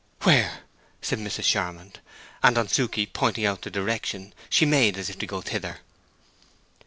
"Where?" said Mrs. Charmond; and on Suke pointing out the direction, she made as if to go thither.